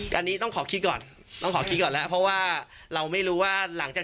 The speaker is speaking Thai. แต่ต้องเลยดูแลพูดถ้าไม่ได้จริงแค่ล่ะ